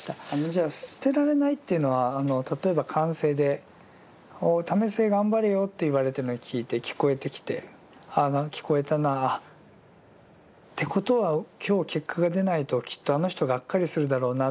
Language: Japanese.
じゃあ捨てられないというのは例えば歓声で「為末頑張れよ」って言われてるのが聞こえてきて「ああ聞こえたな。ってことは今日結果が出ないときっとあの人がっかりするだろうな」。